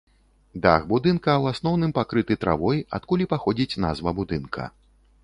Дах будынка ў асноўным пакрыты травой, адкуль і паходзіць назва будынка.